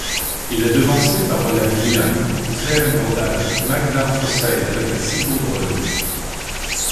Il est devancé par Olav Lian, Sverre Brodahl, Magnar Fosseide et Sigurd Roen.